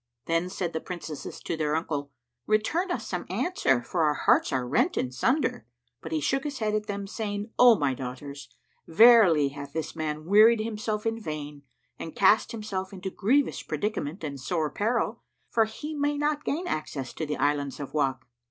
Then said the Princesses to their uncle, "Return us some answer, for our hearts are rent in sunder." But he shook his head at them, saying, "O my daughters, verily hath this man wearied himself in vain and cast himself into grievous predicament and sore peril; for he may not gain access to the Islands of Wak."